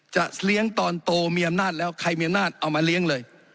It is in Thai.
จะเลี้ยงตอนโตมีอำนาจแล้วใครมีอำนาจเอามาเลี้ยงเลย